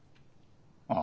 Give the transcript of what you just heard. ああ。